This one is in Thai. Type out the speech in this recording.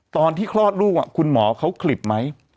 ตอนที่คลอดลูกคุณหมอเขาคลิบไหม